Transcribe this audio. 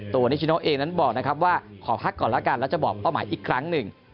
นิชิโนเองนั้นบอกนะครับว่าขอพักก่อนแล้วกันแล้วจะบอกเป้าหมายอีกครั้งหนึ่ง